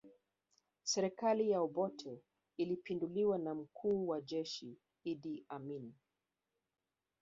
Serikali ya Obote ilipinduliwa na mkuu wa jeshi Idi Amini